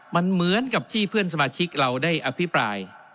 มันเหมือนกับที่เพื่อนสมาชิกเราได้อภิปราย